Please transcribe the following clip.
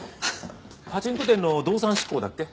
パチンコ店の動産執行だっけ？